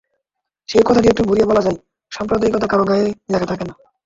সেই কথাটি একটু ঘুরিয়ে বলা যায়, সাম্প্রদায়িকতাও কারও গায়ে লেখা থাকে না।